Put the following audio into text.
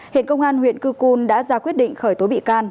hiện công an huyện cư cun đã ra quyết định khởi tố bị can